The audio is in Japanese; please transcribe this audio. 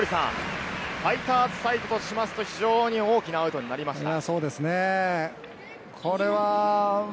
ファイターズサイドとしますと非常に大きなアウトになりました。